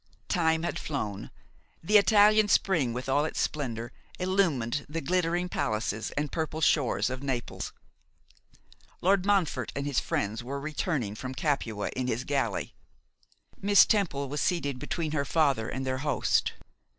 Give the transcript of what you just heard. Time had flown. The Italian spring, with all its splendour, illumined the glittering palaces and purple shores of Naples. Lord Montfort and his friends were returning from Capua in his galley. Miss Temple was seated between her father and their host.